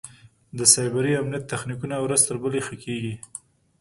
د سایبري امنیت تخنیکونه ورځ تر بلې ښه کېږي.